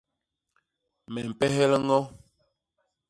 Me mpehel ño.